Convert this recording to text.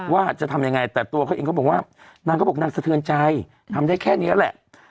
ว่าจะทำยังไงแต่ตัวเขาเองเขาบอกว่านางก็บอกนางสะเทือนใจทำได้แค่นี้แหละ